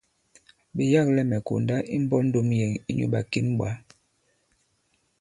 Ɓe yâklɛ mɛ̀ konda imbɔk ndom yɛ̀n inyū ɓàkěn ɓwǎ.